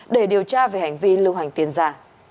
để điều tra về hành vi lưu hành tiền giả